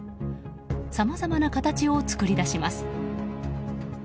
さまざまな形を作り出します。